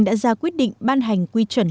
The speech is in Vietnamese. đã ra quyết định ban hành quy chuẩn